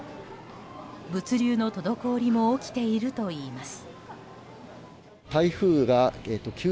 物流の滞りも起きているといいます。